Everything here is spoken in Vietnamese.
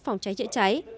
phòng cháy chữa cháy